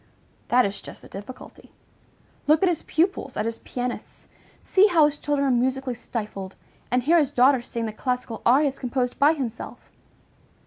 That is just the difficulty. Look at his pupils, at his pianists! See how his children are musically stifled, and hear his daughter sing the classical arias composed by himself!